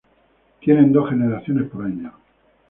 Tienen dos generaciones por año.